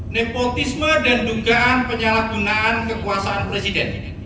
nepotisme dan dugaan penyalah gunaan kekuasaan presiden